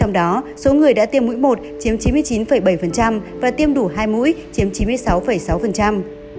trong đó số người đã tiêm mũi một chiếm chín mươi chín bảy và tiêm đủ hai mũi chiếm chín mươi sáu sáu